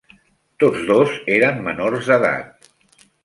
Tots dos eren menors d'edat.